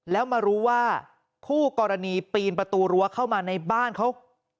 แล้วมารู้ว่าคู่กรณีปีนประตูรั้วเข้ามาในบ้านเขา